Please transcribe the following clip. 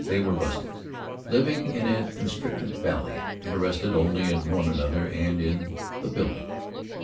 They were rustics, living in a constricted valley, interested only in one another and in The Building.